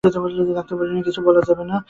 Doctor বললেন, কিছু বলা যায় না।